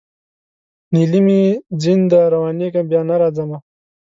نیلی مي ځین دی روانېږمه بیا نه راځمه